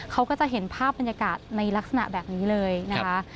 เขาก็จะเห็นภาพบรรยากาศในลักษณะแบบนี้เลยนะคะ